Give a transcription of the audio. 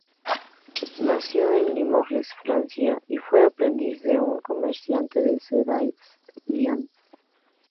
Nació en Limoges, Francia, y fue aprendiz de un comerciante de sedas de Lyon.